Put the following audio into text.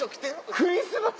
クリスマス。